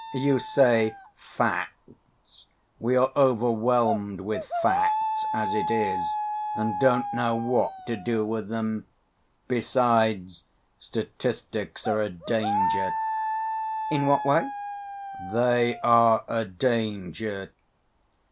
You say 'facts' we are overwhelmed with facts as it is, and don't know what to do with them. Besides, statistics are a danger." "In what way?" "They are a danger.